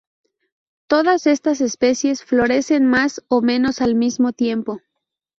Todas estas especies florecen más o menos al mismo tiempo.